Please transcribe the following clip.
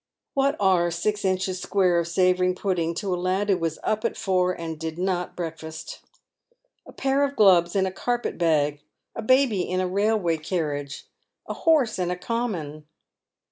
What are six inches square of savoury pudding to a lad who was up at four, and did not breakfast ? A pair of gloves in a carpet bag, a baby in a railway carriage, a horse in a common